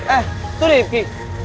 eh tuh rivki